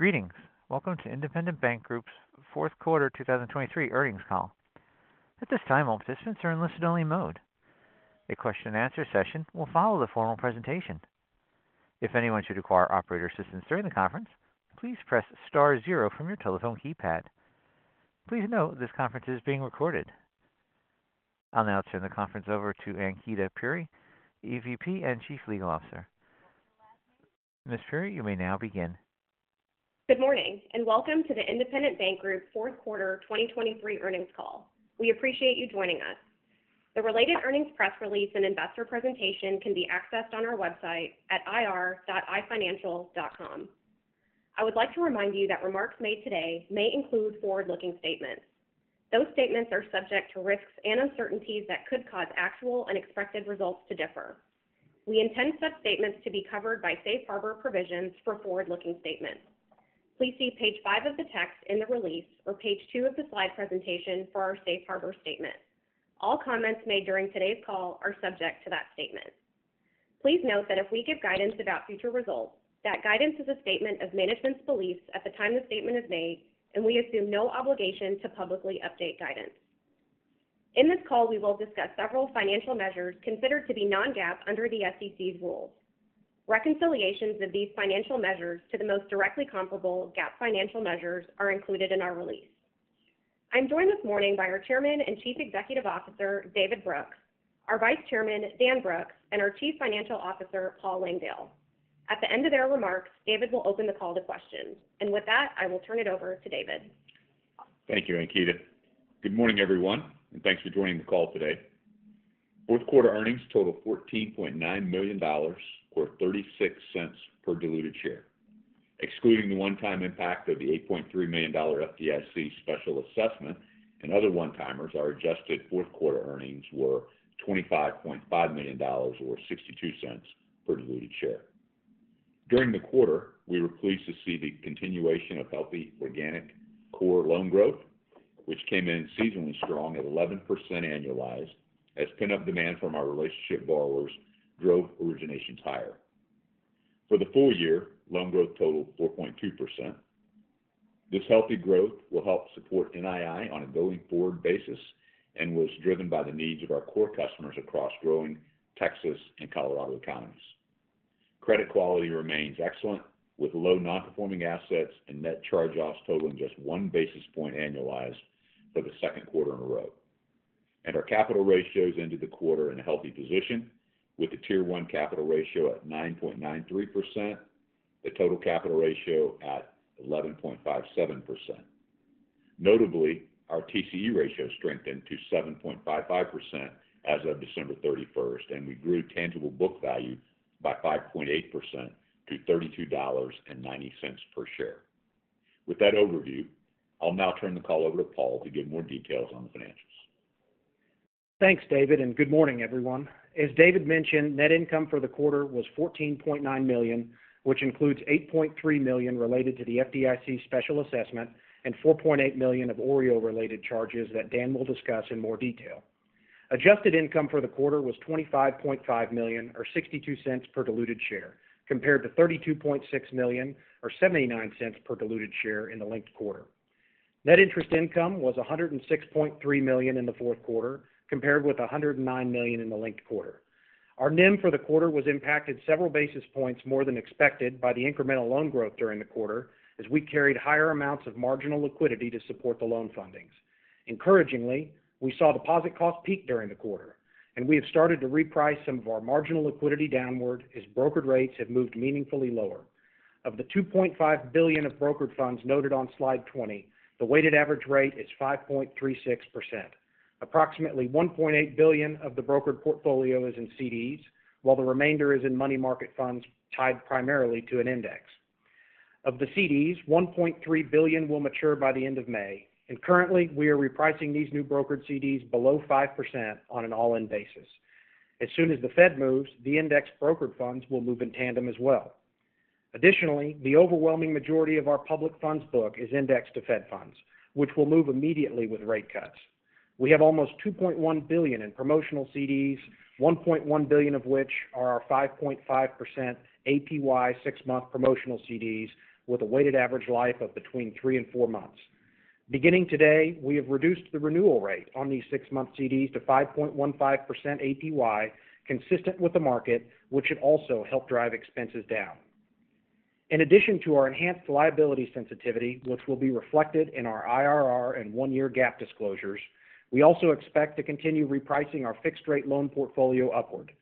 Greetings. Welcome to Independent Bank Group's Fourth Quarter 2023 Earnings Call. At this time, all participants are in listen-only mode. A question-and-answer session will follow the formal presentation. If anyone should require operator assistance during the conference, please press star zero from your telephone keypad. Please note, this conference is being recorded. I'll now turn the conference over to Ankita Puri, EVP and Chief Legal Officer. Ms. Puri, you may now begin. Good morning, and welcome to the Independent Bank Group Fourth Quarter 2023 Earnings Call. We appreciate you joining us. The related earnings press release and investor presentation can be accessed on our website at ir.ifinancial.com. I would like to remind you that remarks made today may include forward-looking statements. Those statements are subject to risks and uncertainties that could cause actual and expected results to differ. We intend such statements to be covered by safe harbor provisions for forward-looking statements. Please see page 5 of the text in the release or page 2 of the slide presentation for our safe harbor statement. All comments made during today's call are subject to that statement. Please note that if we give guidance about future results, that guidance is a statement of management's beliefs at the time the statement is made, and we assume no obligation to publicly update guidance. In this call, we will discuss several financial measures considered to be non-GAAP under the SEC's rules. Reconciliations of these financial measures to the most directly comparable GAAP financial measures are included in our release. I'm joined this morning by our Chairman and Chief Executive Officer, David Brooks, our Vice Chairman, Dan Brooks, and our Chief Financial Officer, Paul Langdale. At the end of their remarks, David will open the call to questions. With that, I will turn it over to David. Thank you, Ankita. Good morning, everyone, and thanks for joining the call today. Fourth quarter earnings total $14.9 million or 36 cents per diluted share. Excluding the one-time impact of the $8.3 million FDIC special assessment and other one-timers, our adjusted fourth quarter earnings were $25.5 million or 62 cents per diluted share. During the quarter, we were pleased to see the continuation of healthy organic core loan growth, which came in seasonally strong at 11% annualized, as pent-up demand from our relationship borrowers drove originations higher. For the full year, loan growth totaled 4.2%. This healthy growth will help support NII on a going-forward basis and was driven by the needs of our core customers across growing Texas and Colorado economies. Credit quality remains excellent, with low non-performing assets and net charge-offs totaling just one basis point annualized for the second quarter in a row. Our capital ratios ended the quarter in a healthy position, with the Tier 1 capital ratio at 9.93%, the total capital ratio at 11.57%. Notably, our TCE ratio strengthened to 7.55% as of December 31st, and we grew tangible book value by 5.8% to $32.90 per share. With that overview, I'll now turn the call over to Paul to give more details on the financials. Thanks, David, and good morning, everyone. As David mentioned, net income for the quarter was $14.9 million, which includes $8.3 million related to the FDIC special assessment and $4.8 million of OREO-related charges that Dan will discuss in more detail. Adjusted income for the quarter was $25.5 million or $0.62 per diluted share, compared to $32.6 million or $0.79 per diluted share in the linked quarter. Net interest income was $106.3 million in the fourth quarter, compared with $109 million in the linked quarter. Our NIM for the quarter was impacted several basis points more than expected by the incremental loan growth during the quarter, as we carried higher amounts of marginal liquidity to support the loan fundings. Encouragingly, we saw deposit costs peak during the quarter, and we have started to reprice some of our marginal liquidity downward as brokered rates have moved meaningfully lower. Of the $2.5 billion of brokered funds noted on slide 20, the weighted-average rate is 5.36%. Approximately $1.8 billion of the brokered portfolio is in CDs, while the remainder is in money market funds tied primarily to an index. Of the CDs, $1.3 billion will mature by the end of May, and currently, we are repricing these new brokered CDs below 5% on an all-in basis. As soon as the Fed moves, the indexed brokered funds will move in tandem as well. Additionally, the overwhelming majority of our public funds book is indexed to Fed funds, which will move immediately with rate cuts. We have almost $2.1 billion in promotional CDs, $1.1 billion of which are our 5.5% APY six-month promotional CDs, with a weighted average life of between 3 and 4 months. Beginning today, we have reduced the renewal rate on these six-month CDs to 5.15% APY, consistent with the market, which should also help drive expenses down. In addition to our enhanced liability sensitivity, which will be reflected in our IRR and one-year gap disclosures, we also expect to continue repricing our fixed-rate loan portfolio upward.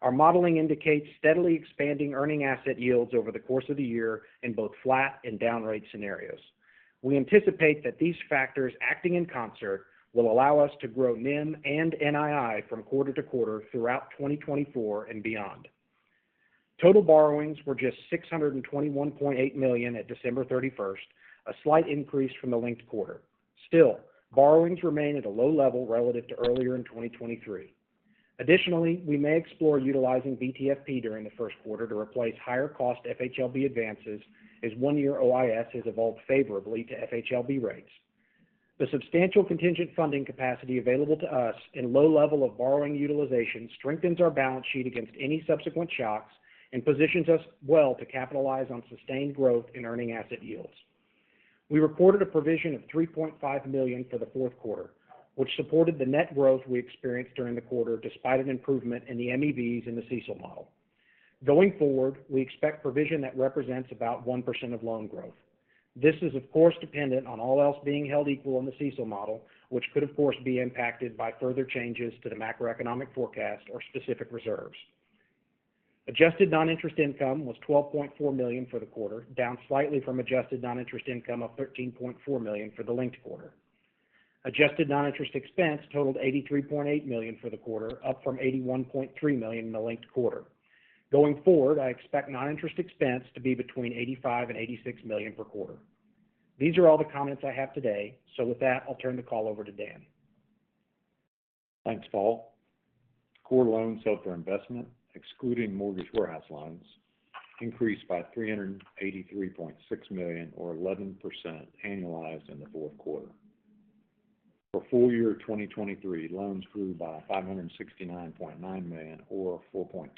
Our modeling indicates steadily expanding earning asset yields over the course of the year in both flat and down rate scenarios. We anticipate that these factors, acting in concert, will allow us to grow NIM and NII from quarter to quarter throughout 2024 and beyond. Total borrowings were just $621.8 million at December 31, a slight increase from the linked quarter. Still, borrowings remain at a low level relative to earlier in 2023. Additionally, we may explore utilizing BTFP during the first quarter to replace higher-cost FHLB advances, as one-year OIS has evolved favorably to FHLB rates. The substantial contingent funding capacity available to us and low level of borrowing utilization strengthens our balance sheet against any subsequent shocks and positions us well to capitalize on sustained growth in earning asset yields. We reported a provision of $3.5 million for the fourth quarter, which supported the net growth we experienced during the quarter, despite an improvement in the MEVs in the CECL model. Going forward, we expect provision that represents about 1% of loan growth. This is, of course, dependent on all else being held equal in the CECL model, which could of course, be impacted by further changes to the macroeconomic forecast or specific reserves. Adjusted non-interest income was $12.4 million for the quarter, down slightly from adjusted non-interest income of $13.4 million for the linked quarter. Adjusted non-interest expense totaled $83.8 million for the quarter, up from $81.3 million in the linked quarter. Going forward, I expect non-interest expense to be between $85 million and $86 million per quarter. These are all the comments I have today. So with that, I'll turn the call over to Dan. Thanks, Paul. Core loans held for investment, excluding mortgage warehouse loans, increased by $383.6 million or 11% annualized in the fourth quarter. For full year 2023, loans grew by $569.9 million or 4.2%.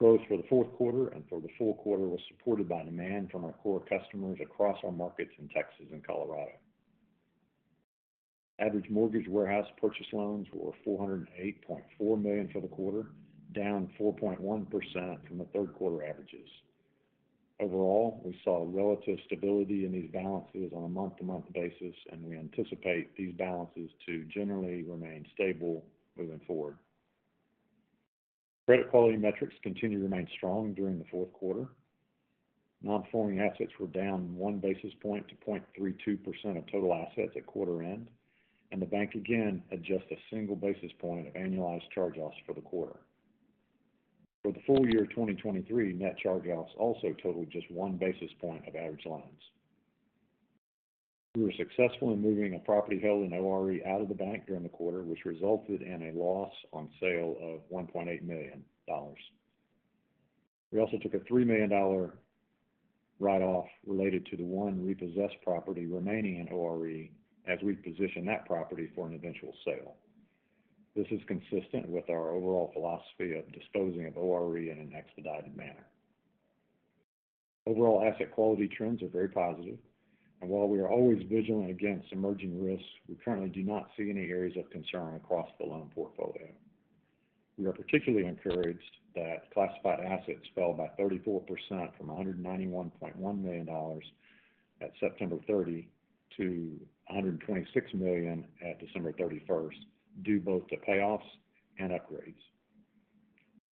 Growth for the fourth quarter and for the full quarter was supported by demand from our core customers across our markets in Texas and Colorado. Average mortgage warehouse purchase loans were $408.4 million for the quarter, down 4.1% from the third quarter averages. Overall, we saw relative stability in these balances on a month-to-month basis, and we anticipate these balances to generally remain stable moving forward. Credit quality metrics continued to remain strong during the fourth quarter. Non-performing assets were down 1 basis point to 0.32% of total assets at quarter-end, and the bank again had just a single basis point of annualized charge-offs for the quarter. For the full year of 2023, net charge-offs also totaled just 1 basis point of average loans. We were successful in moving a property held in ORE out of the bank during the quarter, which resulted in a loss on sale of $1.8 million. We also took a $3 million write-off related to the one repossessed property remaining in ORE, as we position that property for an eventual sale. This is consistent with our overall philosophy of disposing of ORE in an expedited manner. Overall asset quality trends are very positive, and while we are always vigilant against emerging risks, we currently do not see any areas of concern across the loan portfolio. We are particularly encouraged that classified assets fell by 34% from $191.1 million at September 30 to $126 million at December 31st, due both to payoffs and upgrades.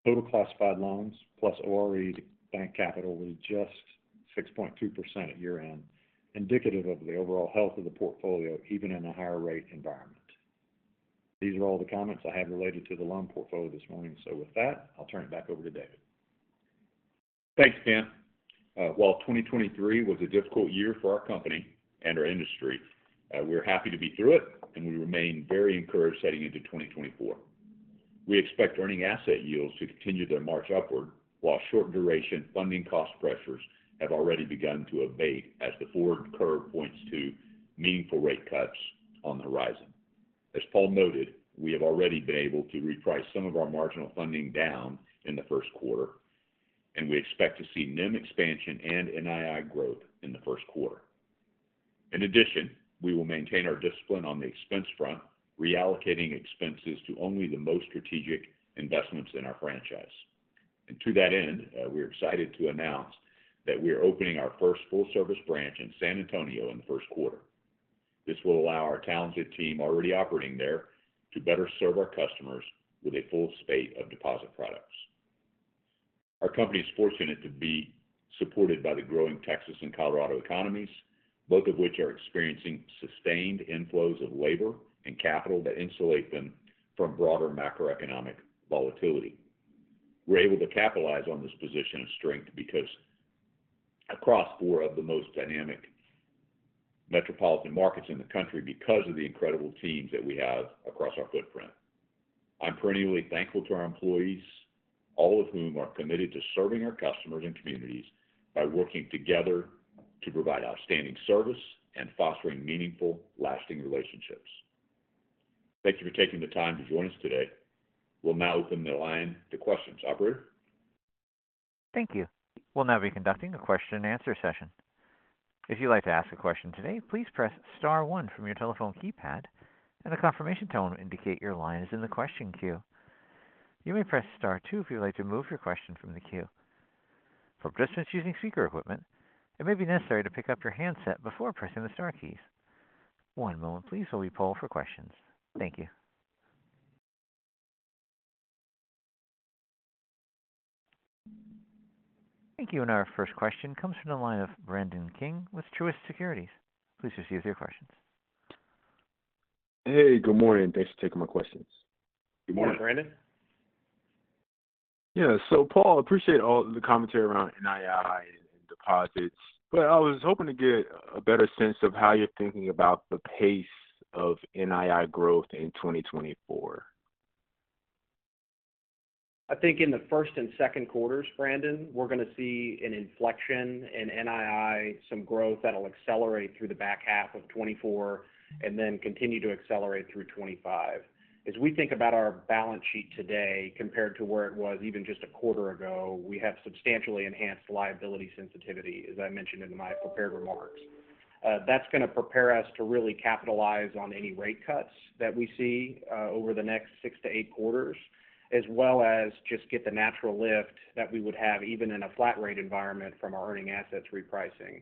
Total classified loans, plus ORE to bank capital, was just 6.2% at year-end, indicative of the overall health of the portfolio, even in a higher rate environment. These are all the comments I have related to the loan portfolio this morning. So with that, I'll turn it back over to David. Thanks, Dan. While 2023 was a difficult year for our company and our industry, we're happy to be through it, and we remain very encouraged heading into 2024. We expect earning asset yields to continue their march upward, while short duration funding cost pressures have already begun to abate as the forward curve points to meaningful rate cuts on the horizon. As Paul noted, we have already been able to reprice some of our marginal funding down in the first quarter, and we expect to see NIM expansion and NII growth in the first quarter. In addition, we will maintain our discipline on the expense front, reallocating expenses to only the most strategic investments in our franchise. To that end, we're excited to announce that we are opening our first full-service branch in San Antonio in the first quarter. This will allow our talented team already operating there to better serve our customers with a full suite of deposit products. Our company is fortunate to be supported by the growing Texas and Colorado economies, both of which are experiencing sustained inflows of labor and capital that insulate them from broader macroeconomic volatility. We're able to capitalize on this position of strength because across four of the most dynamic metropolitan markets in the country, because of the incredible teams that we have across our footprint. I'm perennially thankful to our employees, all of whom are committed to serving our customers and communities by working together to provide outstanding service and fostering meaningful, lasting relationships. Thank you for taking the time to join us today. We'll now open the line to questions. Operator? Thank you. We'll now be conducting a question and answer session. If you'd like to ask a question today, please press star one from your telephone keypad, and a confirmation tone will indicate your line is in the question queue. You may press star two if you'd like to remove your question from the queue. For participants using speaker equipment, it may be necessary to pick up your handset before pressing the star keys. One moment please, while we poll for questions. Thank you. Thank you. Our first question comes from the line of Brandon King with Truist Securities. Please proceed with your questions. Hey, good morning. Thanks for taking my questions. Good morning. Morning, Brandon. Yeah. So Paul, appreciate all the commentary around NII and deposits, but I was hoping to get a better sense of how you're thinking about the pace of NII growth in 2024? I think in the first and second quarters, Brandon, we're going to see an inflection in NII, some growth that'll accelerate through the back half of 2024, and then continue to accelerate through 2025. As we think about our balance sheet today compared to where it was even just a quarter ago, we have substantially enhanced liability sensitivity, as I mentioned in my prepared remarks. That's going to prepare us to really capitalize on any rate cuts that we see over the next 6-8 quarters, as well as just get the natural lift that we would have even in a flat rate environment from our earning assets repricing.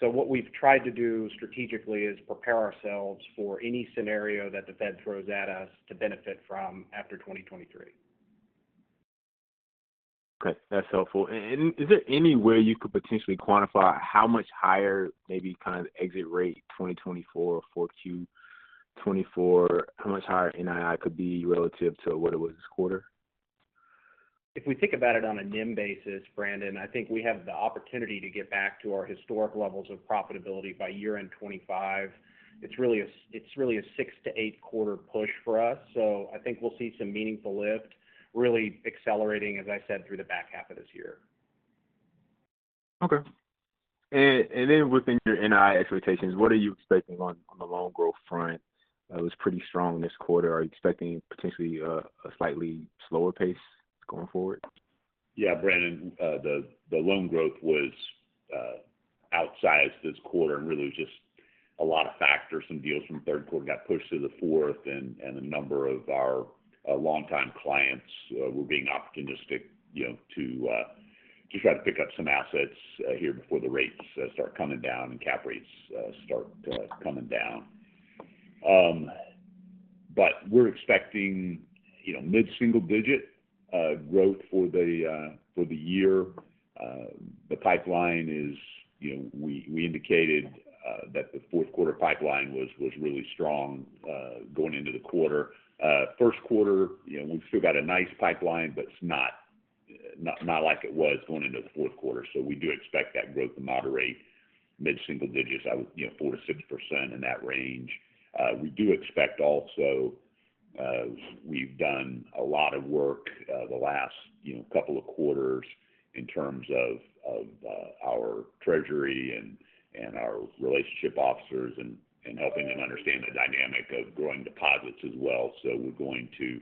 So what we've tried to do strategically is prepare ourselves for any scenario that the Fed throws at us to benefit from after 2023. Okay, that's helpful. And is there any way you could potentially quantify how much higher maybe kind of exit rate 2024, or 4Q 2024, how much higher NII could be relative to what it was this quarter? If we think about it on a NIM basis, Brandon, I think we have the opportunity to get back to our historic levels of profitability by year-end 2025. It's really a six to eight quarter push for us, so I think we'll see some meaningful lift really accelerating, as I said, through the back half of this year. Okay. And then within your NII expectations, what are you expecting on the loan growth front? It was pretty strong this quarter. Are you expecting potentially a slightly slower pace going forward? Yeah, Brandon, the loan growth was outsized this quarter, and really just a lot of factors. Some deals from the third quarter got pushed to the fourth, and a number of our longtime clients were being optimistic, you know, to just try to pick up some assets here before the rates start coming down and cap rates start coming down. But we're expecting, you know, mid-single digit growth for the year. The pipeline is, you know, we indicated that the fourth quarter pipeline was really strong going into the quarter. First quarter, you know, we've still got a nice pipeline, but it's not like it was going into the fourth quarter. So we do expect that growth to moderate mid-single digits. That was, you know, 4%-6% in that range. We do expect also, we've done a lot of work, the last, you know, couple of quarters in terms of our Treasury and our relationship officers and helping them understand the dynamic of growing deposits as well. So we're going to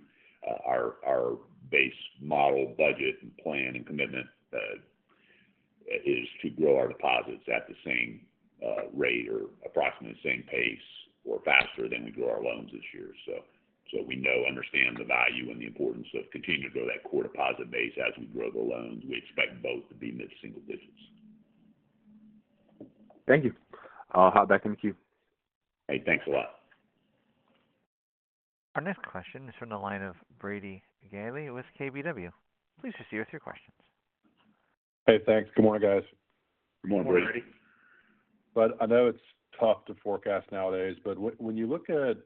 our base model, budget, and plan, and commitment is to grow our deposits at the same rate or approximately the same pace, or faster than we grow our loans this year. So we know, understand the value and the importance of continuing to grow that core deposit base as we grow the loans. We expect both to be mid-single digits. Thank you. I'll hop back in the queue. Hey, thanks a lot. Our next question is from the line of Brady Gailey with KBW. Please proceed with your questions. Hey, thanks. Good morning, guys. Good morning, Brady. Good morning. But I know it's tough to forecast nowadays, but when you look at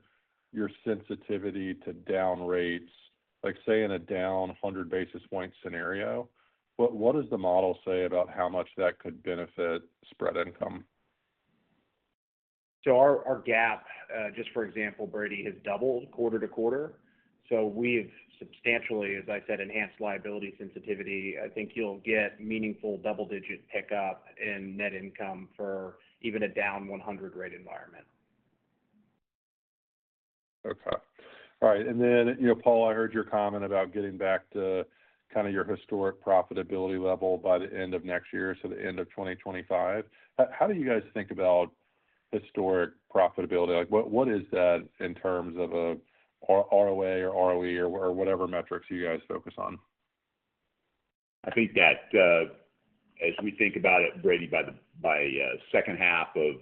your sensitivity to down rates, like, say, in a down 100 basis point scenario, what does the model say about how much that could benefit spread income? Our gap, just for example, Brady, has doubled quarter-over-quarter. So we've substantially, as I said, enhanced liability sensitivity. I think you'll get meaningful double-digit pickup in net income for even a down 100 rate environment. Okay. All right. And then, you know, Paul, I heard your comment about getting back to kind of your historic profitability level by the end of next year, so the end of 2025. How do you guys think about historic profitability? Like, what, what is that in terms of a ROA or ROE or, or whatever metrics you guys focus on? I think that, as we think about it, Brady, by the second half of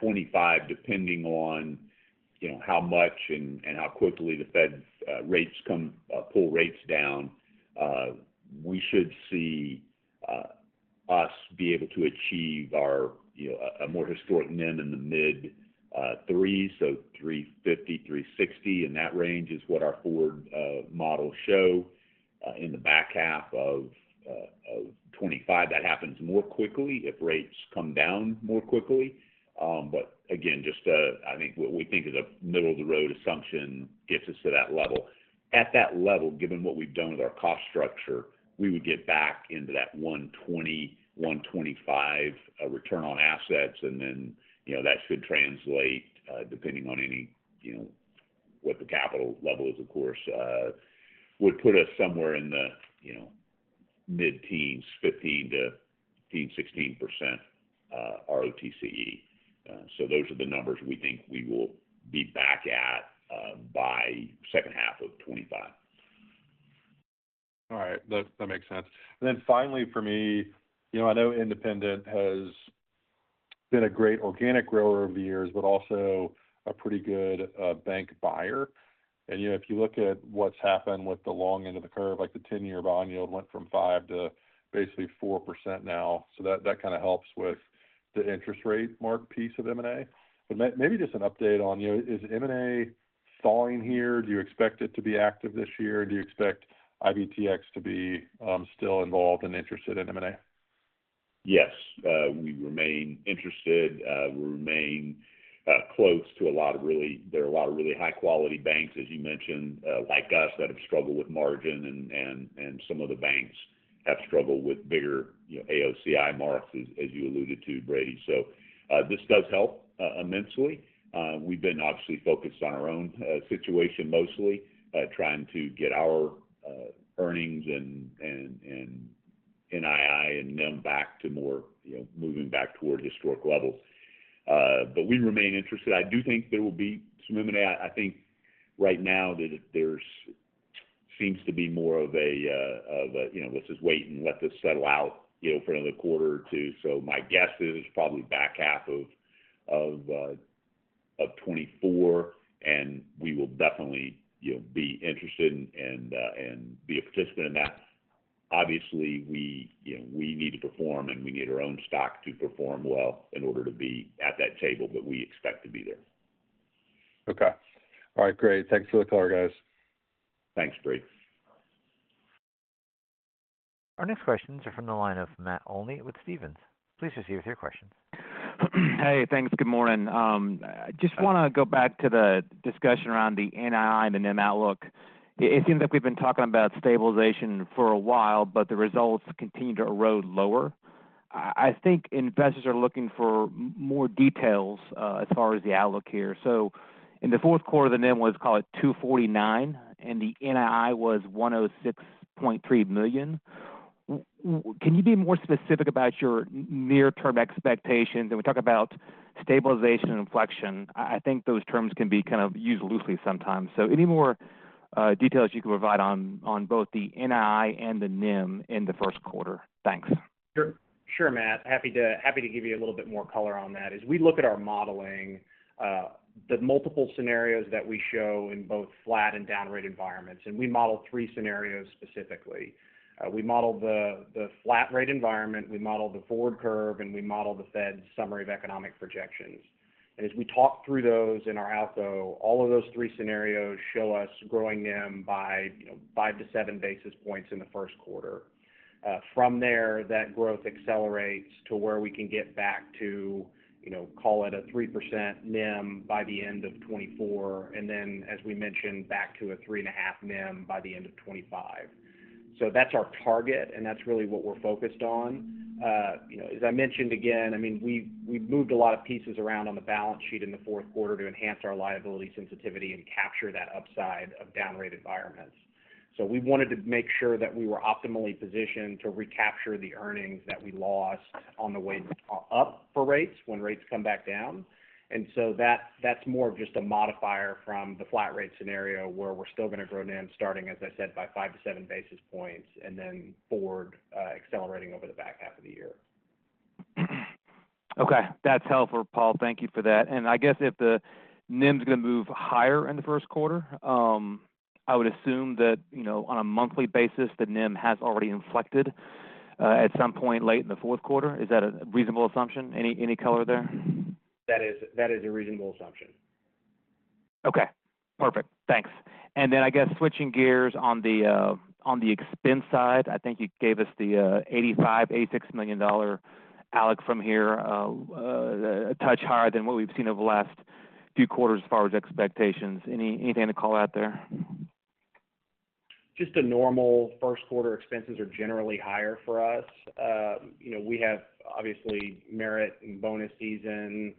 2025, depending on, you know, how much and how quickly the Fed rates come pull rates down, we should see us be able to achieve our, you know, a more historic NIM in the mid three, so 3.50%-3.60%, and that range is what our forward models show. In the back half of 2025, that happens more quickly if rates come down more quickly. But again, just, I think what we think is a middle-of-the-road assumption gets us to that level. At that level, given what we've done with our cost structure, we would get back into that 1.20%-1.25% return on assets. And then, you know, that should translate, depending on any, you know, what the capital level is, of course, would put us somewhere in the, you know, mid-teens, 15-16, 16% ROTCE. So those are the numbers we think we will be back at, by second half of 2025. All right. That, that makes sense. And then finally, for me, you know, I know Independent has been a great organic grower over the years, but also a pretty good bank buyer. And, you know, if you look at what's happened with the long end of the curve, like the 10-year bond yield went from 5% to basically 4% now, so that, that kind of helps with the interest rate mark piece of M&A. But maybe just an update on, you know, is M&A stalling here? Do you expect it to be active this year? Do you expect IBTX to be still involved and interested in M&A? Yes, we remain interested. We remain close to a lot of really high-quality banks, as you mentioned, like us, that have struggled with margin and some of the banks have struggled with bigger, you know, AOCI marks, as you alluded to, Brady. So, this does help immensely. We've been obviously focused on our own situation, mostly, trying to get our earnings and NII and NIM back to more, you know, moving back toward historic levels. But we remain interested. I do think there will be some M&A. I think right now it seems to be more of a, you know, let's just wait and let this settle out, you know, for another quarter or two. So my guess is, probably back half of 2024, and we will definitely, you know, be interested and be a participant in that. Obviously, we, you know, we need to perform, and we need our own stock to perform well in order to be at that table, but we expect to be there. Okay. All right, great. Thanks for the color, guys. Thanks, Brady. Our next questions are from the line of Matt Olney with Stephens. Please proceed with your question. Hey, thanks. Good morning. I just want to go back to the discussion around the NII and the NIM outlook. It seems like we've been talking about stabilization for a while, but the results continue to erode lower. I think investors are looking for more details as far as the outlook here. So in the fourth quarter, the NIM was, call it 2.49, and the NII was $106.3 million. Can you be more specific about your near-term expectations? And we talk about stabilization and inflection. I think those terms can be kind of used loosely sometimes. So any more details you can provide on both the NII and the NIM in the first quarter? Thanks. Sure, Matt. Happy to, happy to give you a little bit more color on that. As we look at our modeling, the multiple scenarios that we show in both flat and down rate environments, and we model three scenarios specifically. We model the flat rate environment, we model the forward curve, and we model the Fed's Summary of Economic Projections. And as we talk through those in our outlook, all of those three scenarios show us growing NIM by, you know, five to seven basis points in the first quarter. From there, that growth accelerates to where we can get back to, you know, call it a 3% NIM by the end of 2024, and then, as we mentioned, back to a 3.5% NIM by the end of 2025. So that's our target, and that's really what we're focused on. You know, as I mentioned again, I mean, we, we've moved a lot of pieces around on the balance sheet in the fourth quarter to enhance our liability sensitivity and capture that upside of down rate environments. So we wanted to make sure that we were optimally positioned to recapture the earnings that we lost on the way up for rates when rates come back down. And so that's more of just a modifier from the flat rate scenario, where we're still going to grow NIM, starting, as I said, by 5-7 basis points, and then forward, accelerating over the back half of the year. Okay, that's helpful, Paul. Thank you for that. And I guess if the NIM is going to move higher in the first quarter, I would assume that, you know, on a monthly basis, the NIM has already inflected at some point late in the fourth quarter. Is that a reasonable assumption? Any color there? That is, that is a reasonable assumption. Okay, perfect. Thanks. And then I guess switching gears on the expense side, I think you gave us the $85 million-$86 million outlook from here, a touch higher than what we've seen over the last few quarters as far as expectations. Anything to call out there? Just a normal first quarter, expenses are generally higher for us. You know, we have obviously merit and bonus season.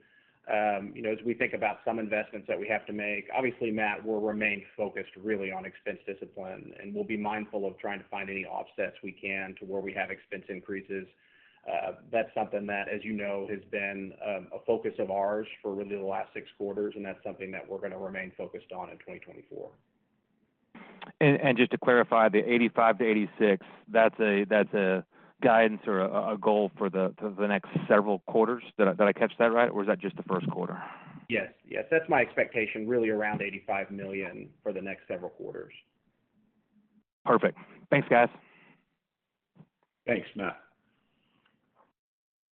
You know, as we think about some investments that we have to make, obviously, Matt, we'll remain focused really on expense discipline, and we'll be mindful of trying to find any offsets we can to where we have expense increases. That's something that, as you know, has been a focus of ours for really the last six quarters, and that's something that we're going to remain focused on in 2024. Just to clarify, the 85-86, that's a guidance or a goal for the next several quarters? Did I catch that right, or is that just the first quarter? Yes. Yes, that's my expectation, really around $85 million for the next several quarters. Perfect. Thanks, guys. Thanks, Matt.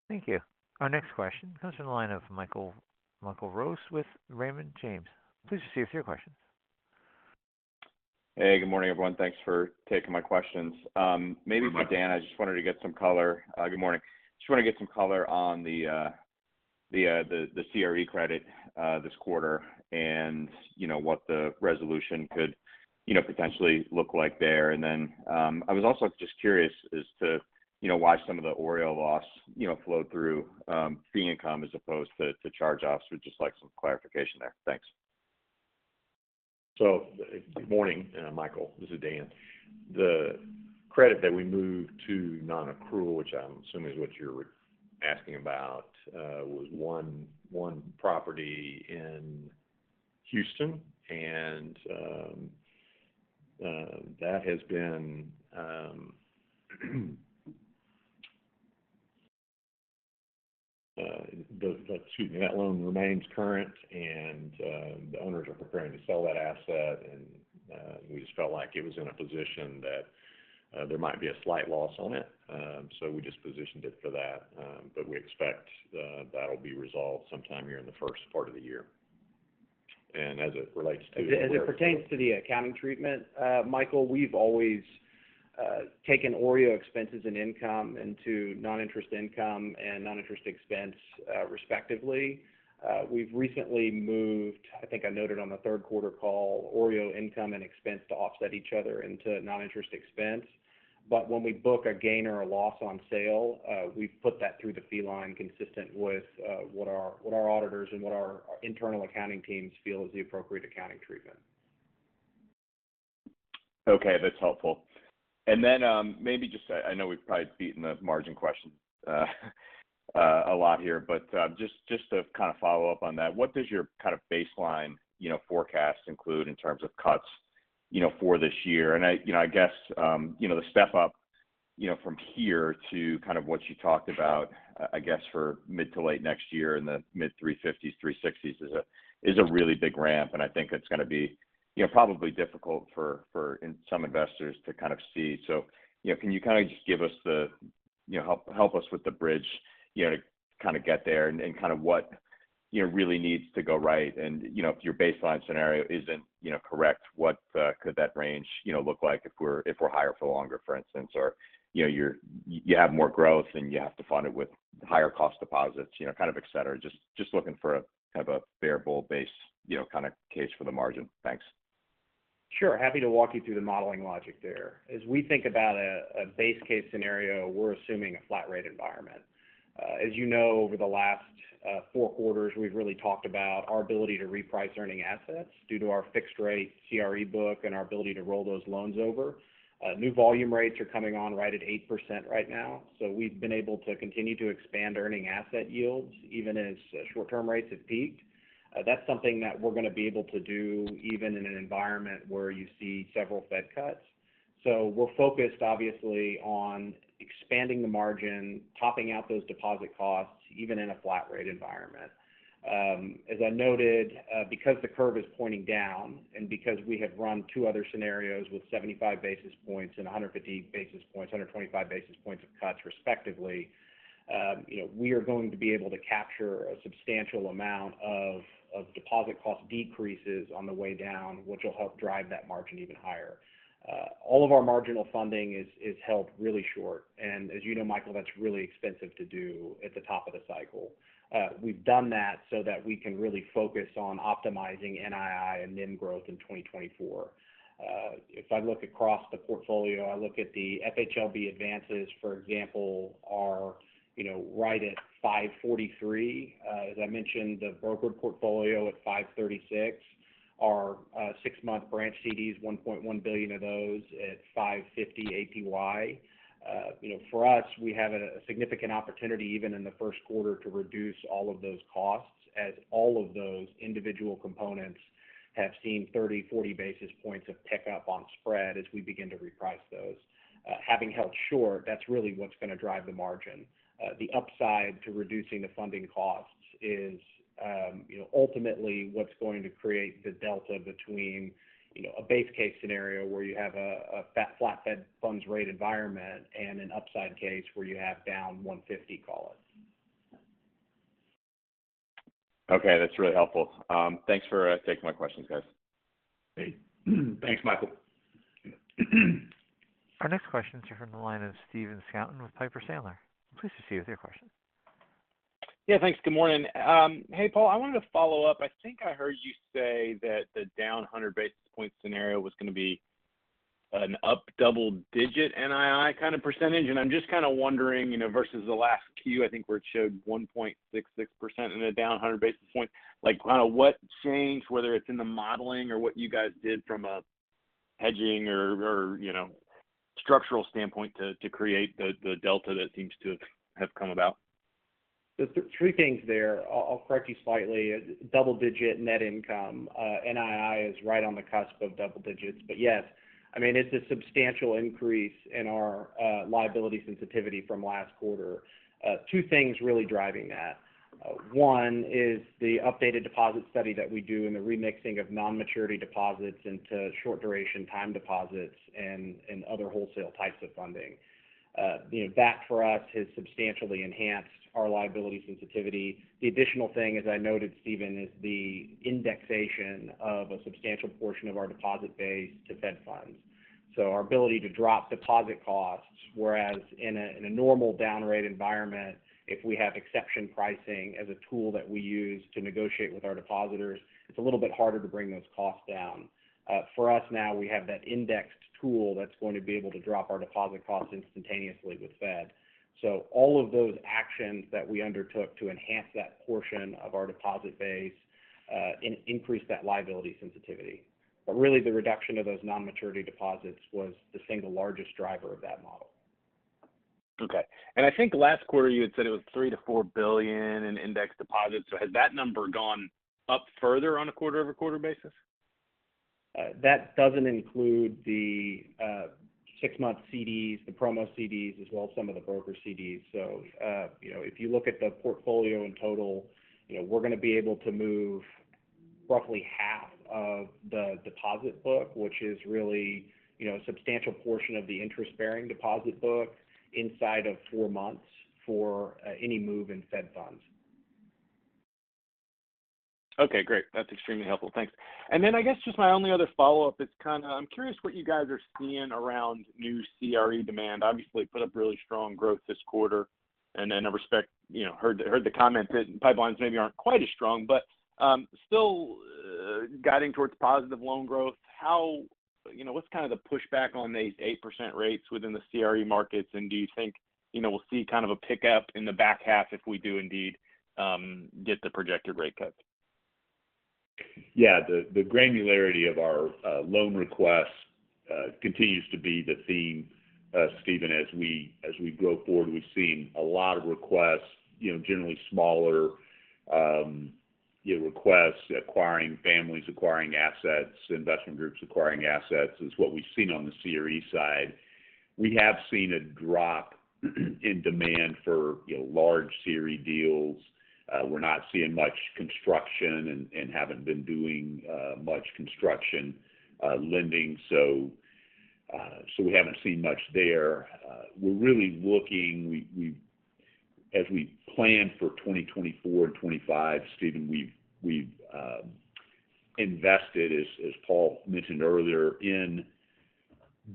Thank you. Our next question comes from the line of Michael, Michael Rose with Raymond James. Please proceed with your question. Hey, good morning, everyone. Thanks for taking my questions. Maybe for Dan, I just wanted to get some color—good morning. Just want to get some color on the, the, the CRE credit, this quarter, and you know, what the resolution could, you know, potentially look like there. And then, I was also just curious as to, you know, why some of the OREO loss, you know, flowed through, fee income as opposed to, to charge-offs. Would just like some clarification there. Thanks. So good morning, Michael. This is Dan. The credit that we moved to nonaccrual, which I'm assuming is what you're asking about, was one property in Houston, and that loan remains current, and the owners are preparing to sell that asset, and we just felt like it was in a position that there might be a slight loss on it. So we just positioned it for that. But we expect that'll be resolved sometime here in the first part of the year. And as it relates to— As it pertains to the accounting treatment, Michael, we've always taken OREO expenses and income into non-interest income and non-interest expense, respectively. We've recently moved, I think I noted on the third quarter call, OREO income and expense to offset each other into non-interest expense. But when we book a gain or a loss on sale, we put that through the fee line consistent with what our auditors and our internal accounting teams feel is the appropriate accounting treatment. Okay, that's helpful. And then, maybe just, I know we've probably beaten the margin question a lot here, but, just, just to kind of follow up on that, what does your kind of baseline, you know, forecast include in terms of cuts, you know, for this year? And I, you know, I guess, you know, the step up, you know, from here to kind of what you talked about, I guess for mid to late next year in the mid-350s, 360s is a, is a really big ramp, and I think it's gonna be, you know, probably difficult for some investors to kind of see. So, you know, can you kind of just give us the, you know, help, help us with the bridge, you know, to kind of get there and, and kind of what, you know, really needs to go right? And, you know, if your baseline scenario isn't, you know, correct, what could that range, you know, look like if we're, if we're higher for longer, for instance, or, you know, you're, you have more growth, and you have to fund it with higher-cost deposits, you know, kind of et cetera. Just, just looking for kind of a bear bull base, you know, kind of case for the margin. Thanks. Sure. Happy to walk you through the modeling logic there. As we think about a base case scenario, we're assuming a flat rate environment. As you know, over the last four quarters, we've really talked about our ability to reprice earning assets due to our fixed-rate CRE book and our ability to roll those loans over. New volume rates are coming on right at 8% right now, so we've been able to continue to expand earning asset yields, even as short-term rates have peaked. That's something that we're going to be able to do even in an environment where you see several Fed cuts. So we're focused, obviously, on expanding the margin, topping out those deposit costs, even in a flat rate environment. As I noted, because the curve is pointing down and because we have run two other scenarios with 75 basis points and 150 basis points, 125 basis points of cuts respectively, you know, we are going to be able to capture a substantial amount of deposit cost decreases on the way down, which will help drive that margin even higher. All of our marginal funding is held really short, and as you know, Michael, that's really expensive to do at the top of the cycle. We've done that so that we can really focus on optimizing NII and NIM growth in 2024. If I look across the portfolio, I look at the FHLB advances, for example, are, you know, right at 5.43. As I mentioned, the brokered portfolio at 5.36, our six-month branch CDs, $1.1 billion of those at 5.50 APY. You know, for us, we have a significant opportunity, even in the first quarter, to reduce all of those costs, as all of those individual components have seen 30-40 basis points of tick up on spread as we begin to reprice those. Having held short, that's really what's going to drive the margin. The upside to reducing the funding costs is, you know, ultimately what's going to create the delta between, you know, a base case scenario where you have a flat Fed funds rate environment and an upside case where you have down 150 call it. Okay, that's really helpful. Thanks for taking my questions, guys. Great. Thanks, Michael. Our next question is from the line of Stephen Scouten with Piper Sandler. Please proceed with your question. Yeah, thanks. Good morning. Hey, Paul, I wanted to follow up. I think I heard you say that the down 100 basis points scenario was going to be an up double digit NII kind of percentage, and I'm just kind of wondering, you know, versus the last Q, I think, where it showed 1.66% in a down 100 basis points, like, kind of what changed, whether it's in the modeling or what you guys did from a hedging or, you know, structural standpoint, to create the delta that seems to have come about? There's three things there. I'll correct you slightly. Double-digit net income, NII is right on the cusp of double digits, but yes, I mean, it's a substantial increase in our liability sensitivity from last quarter. Two things really driving that: one is the updated deposit study that we do and the remixing of non-maturity deposits into short duration time deposits and other wholesale types of funding. You know, that for us has substantially enhanced our liability sensitivity. The additional thing, as I noted, Steven, is the indexation of a substantial portion of our deposit base to Fed funds. So our ability to drop deposit costs, whereas in a normal down rate environment, if we have exception pricing as a tool that we use to negotiate with our depositors, it's a little bit harder to bring those costs down. For us now, we have that indexed tool that's going to be able to drop our deposit costs instantaneously with Fed. So all of those actions that we undertook to enhance that portion of our deposit base, increased that liability sensitivity. But really, the reduction of those non-maturity deposits was the single largest driver of that model. Okay. And I think last quarter you had said it was $3 billion-$4 billion in index deposits. So has that number gone up further on a quarter-over-quarter basis? That doesn't include the six-month CDs, the promo CDs, as well as some of the broker CDs. So, you know, if you look at the portfolio in total, you know, we're going to be able to move roughly half of the deposit book, which is really, you know, a substantial portion of the interest-bearing deposit book inside of four months for any move in Fed funds. Okay, great. That's extremely helpful. Thanks. And then I guess just my only other follow-up is kind of, I'm curious what you guys are seeing around new CRE demand. Obviously, put up really strong growth this quarter, and then, you know, I heard the comment that pipelines maybe aren't quite as strong, but still guiding towards positive loan growth. How you know, what's kind of the pushback on these 8% rates within the CRE markets? And do you think, you know, we'll see kind of a pickup in the back half if we do indeed get the projected rate cut? Yeah, the granularity of our loan requests continues to be the theme, Steven, as we go forward. We've seen a lot of requests, you know, generally smaller, you know, requests, acquiring families, acquiring assets, investment groups acquiring assets, is what we've seen on the CRE side. We have seen a drop in demand for, you know, large CRE deals. We're not seeing much construction and haven't been doing much construction lending, so we haven't seen much there. We're really looking-- we-- as we plan for 2024 and 2025, Steven, we've invested, as Paul mentioned earlier, in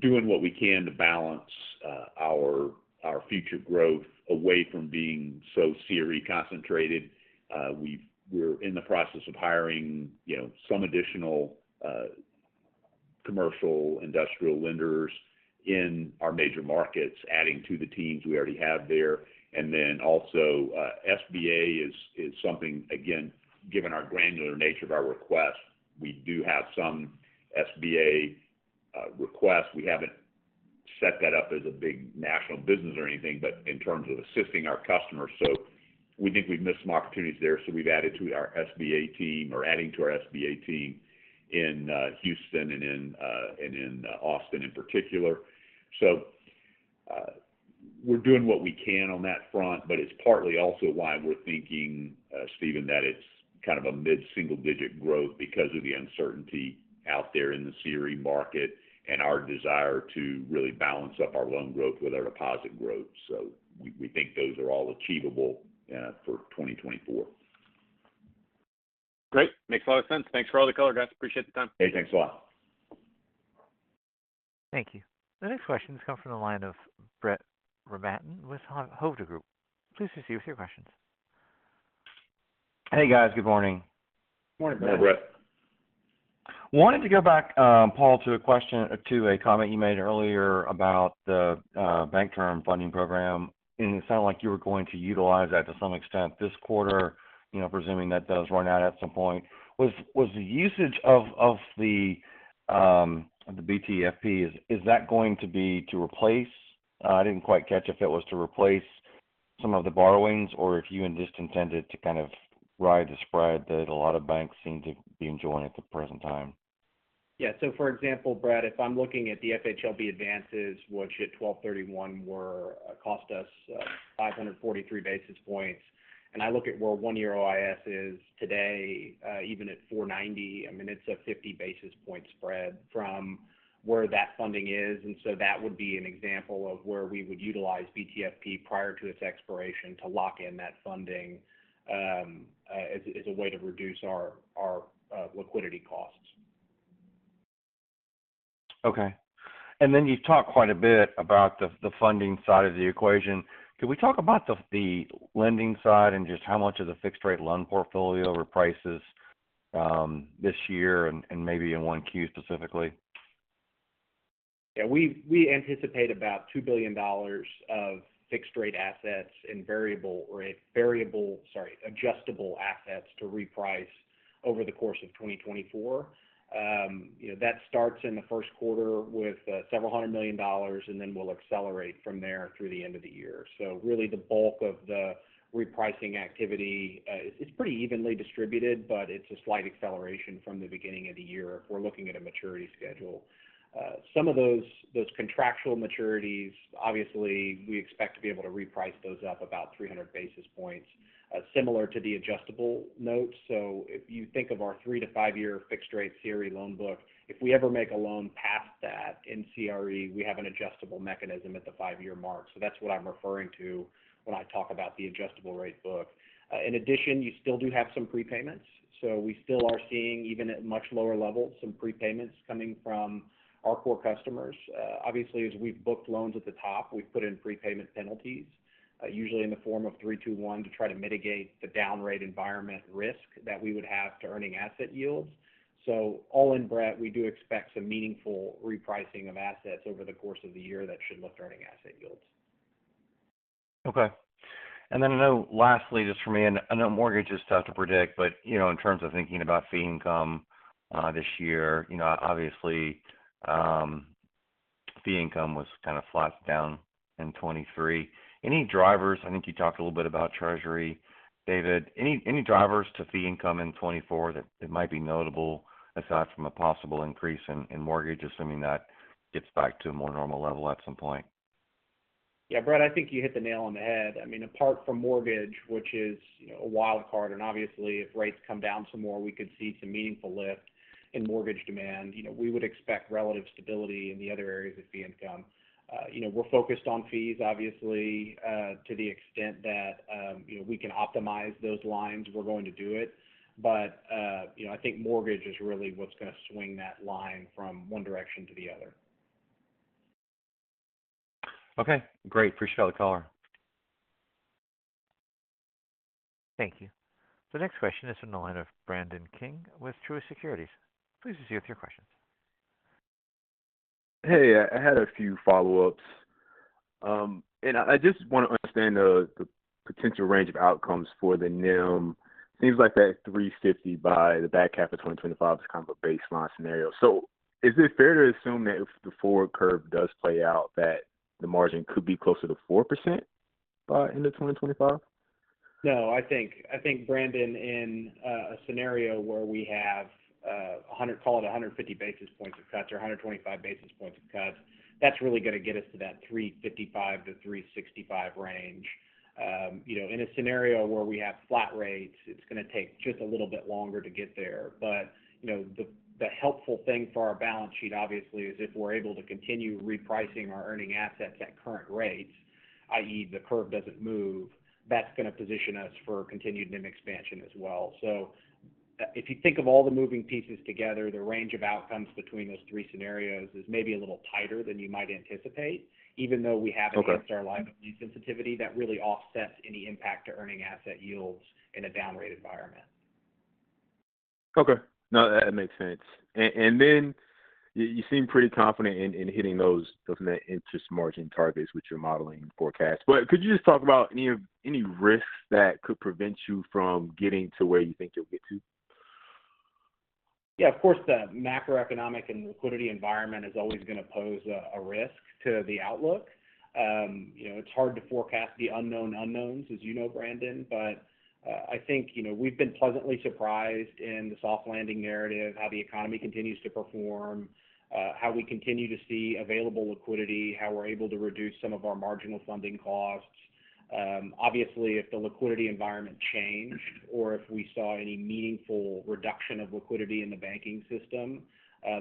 doing what we can to balance our future growth away from being so CRE concentrated. We're in the process of hiring, you know, some additional, commercial industrial lenders in our major markets, adding to the teams we already have there. And then also, SBA is something, again, given our granular nature of our requests, we do have some SBA requests. We haven't set that up as a big national business or anything, but in terms of assisting our customers. So we think we've missed some opportunities there, so we've added to our SBA team or adding to our SBA team in Houston and in Austin in particular. So, we're doing what we can on that front, but it's partly also why we're thinking, Steven, that it's kind of a mid-single-digit growth because of the uncertainty out there in the CRE market and our desire to really balance up our loan growth with our deposit growth. So we think those are all achievable, for 2024. Great. Makes a lot of sense. Thanks for all the color, guys. Appreciate the time. Hey, thanks a lot. Thank you. The next question has come from the line of Brett Rabatin with Hovde Group. Please proceed with your questions. Hey, guys. Good morning. Morning, Brett. Wanted to go back, Paul, to a question, to a comment you made earlier about the Bank Term Funding Program. It sounded like you were going to utilize that to some extent this quarter, you know, presuming that does run out at some point. Was the usage of the BTFP going to be to replace? I didn't quite catch if it was to replace some of the borrowings or if you just intended to kind of ride the spread that a lot of banks seem to be enjoying at the present time. Yeah. So for example, Brett, if I'm looking at the FHLB advances, which at 12/31 were cost us 543 basis points, and I look at where one-year OIS is today, even at 4.90, I mean, it's a 50 basis point spread from where that funding is. And so that would be an example of where we would utilize BTFP prior to its expiration to lock in that funding, as a way to reduce our liquidity costs. Okay. And then you've talked quite a bit about the funding side of the equation. Can we talk about the lending side and just how much of the fixed-rate loan portfolio reprices this year and maybe in one Q, specifically? Yeah, we anticipate about $2 billion of fixed-rate assets and adjustable assets to reprice over the course of 2024. You know, that starts in the first quarter with several hundred million dollars, and then we'll accelerate from there through the end of the year. So really, the bulk of the repricing activity, it's pretty evenly distributed, but it's a slight acceleration from the beginning of the year if we're looking at a maturity schedule. Some of those contractual maturities, obviously, we expect to be able to reprice those up about 300 basis points, similar to the adjustable notes. So if you think of our 3- to 5-year fixed-rate CRE loan book, if we ever make a loan past that in CRE, we have an adjustable mechanism at the 5-year mark. So that's what I'm referring to when I talk about the adjustable rate book. In addition, you still do have some prepayments, so we still are seeing, even at much lower levels, some prepayments coming from our core customers. Obviously, as we've booked loans at the top, we've put in prepayment penalties, usually in the form of 3-2-1, to try to mitigate the down rate environment risk that we would have to earning asset yields. So all in, Brett, we do expect some meaningful repricing of assets over the course of the year that should lift earning asset yields. Okay. And then I know, lastly, just for me, and I know mortgage is tough to predict, but, you know, in terms of thinking about fee income, this year, you know, obviously, fee income was kind of flat down in 2023. Any drivers—I think you talked a little bit about Treasury, David. Any, any drivers to fee income in 2024 that, that might be notable aside from a possible increase in, in mortgage, assuming that gets back to a more normal level at some point? Yeah, Brett, I think you hit the nail on the head. I mean, apart from mortgage, which is, you know, a wild card, and obviously, if rates come down some more, we could see some meaningful lift in mortgage demand. You know, we would expect relative stability in the other areas of fee income. You know, we're focused on fees, obviously, to the extent that, you know, we can optimize those lines, we're going to do it. But, you know, I think mortgage is really what's going to swing that line from one direction to the other. Okay, great. Appreciate the color. Thank you. The next question is from the line of Brandon King with Truist Securities. Please proceed with your questions. Hey, I had a few follow-ups. And I just want to understand the potential range of outcomes for the NIM. Seems like that 3.50 by the back half of 2025 is kind of a baseline scenario. So is it fair to assume that if the forward curve does play out, that the margin could be closer to 4% by end of 2025? No, I think, Brandon, in a scenario where we have—call it 150 basis points of cuts or 125 basis points of cuts, that's really going to get us to that 3.55-3.65 range. You know, in a scenario where we have flat rates, it's going to take just a little bit longer to get there. But, you know, the helpful thing for our balance sheet, obviously, is if we're able to continue repricing our earning assets at current rates, i.e., the curve doesn't move, that's going to position us for continued NIM expansion as well. So if you think of all the moving pieces together, the range of outcomes between those three scenarios is maybe a little tighter than you might anticipate. Even though we have— Okay. Adjusted our liability sensitivity, that really offsets any impact to earning asset yields in a down rate environment. Okay. No, that makes sense. And then you seem pretty confident in hitting those net interest margin targets with your modeling forecast. But could you just talk about any risks that could prevent you from getting to where you think you'll get to? Yeah, of course, the macroeconomic and liquidity environment is always going to pose a risk to the outlook. You know, it's hard to forecast the unknown unknowns, as you know, Brandon. But, I think, you know, we've been pleasantly surprised in the soft landing narrative, how the economy continues to perform, how we continue to see available liquidity, how we're able to reduce some of our marginal funding costs. Obviously, if the liquidity environment changed or if we saw any meaningful reduction of liquidity in the banking system,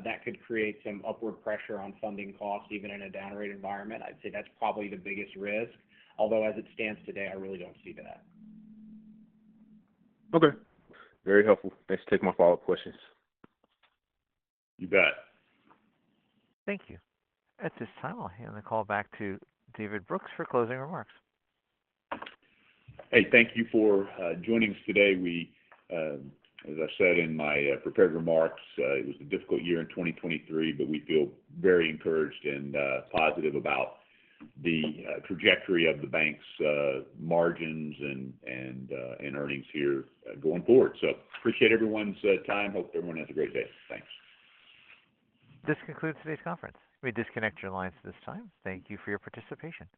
that could create some upward pressure on funding costs, even in a down rate environment. I'd say that's probably the biggest risk, although as it stands today, I really don't see that. Okay. Very helpful. Thanks for taking my follow-up questions. You bet. Thank you. At this time, I'll hand the call back to David Brooks for closing remarks. Hey, thank you for joining us today. We, as I said in my prepared remarks, it was a difficult year in 2023, but we feel very encouraged and positive about the trajectory of the bank's margins and earnings here going forward. So appreciate everyone's time. Hope everyone has a great day. Thanks. This concludes today's conference. You may disconnect your lines at this time. Thank you for your participation.